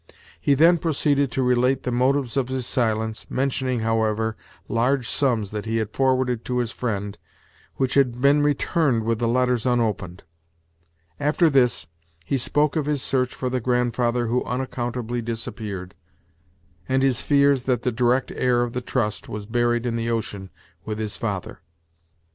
He then proceeded to relate the motives of his silence, mentioning, however, large sums that he had forwarded to his friend, which had been returned with the letters unopened. After this, he spoke of his search for the grandfather who unaccountably disappeared, and his fears that the direct heir of the trust was buried in the ocean with his father.